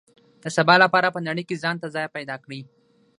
د سبا لپاره په نړۍ کې ځان ته ځای پیدا کړي.